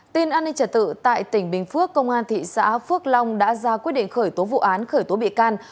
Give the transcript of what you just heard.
tin an ninh trả tự tại tỉnh bình phước công an thị xã phước long đã ra quyết định khởi tố vụ án khởi tố bị can